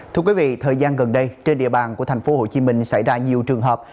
thưa quý vị thời gian gần đây trên địa bàn của thành phố hồ chí minh xảy ra nhiều trường hợp